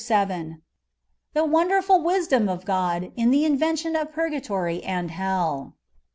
CHAPTER VII. THE WONDEKFUL WISDOM OF GOD IN THE INYENTION OF PUB6AT0BT AND HELL.